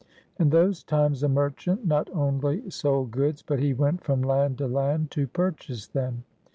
In those times, a merchant not only sold goods, but he went from land to land to purchase them.